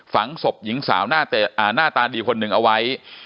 ฝังศพหญิงสาวหน้าตาดีคนหนึ่งเอาไว้